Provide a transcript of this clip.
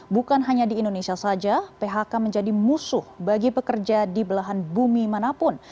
bukan hanya di indonesia saja phk menjadi musuh bagi pekerja di belahan bumi manapun